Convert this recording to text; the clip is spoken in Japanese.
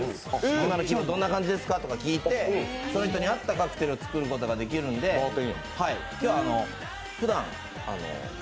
今の気分どんな感じですかとか聞いてその人に合ったカクテルとか作ることができるんでベイクド！